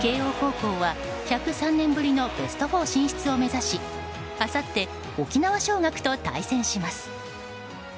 慶応高校は１０３年ぶりのベスト４進出をめざしあさって沖縄尚学と対戦します。